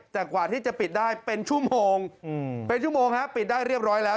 แต่กว่าที่จะปิดได้เป็นชั่วโมงเป็นชั่วโมงฮะปิดได้เรียบร้อยแล้ว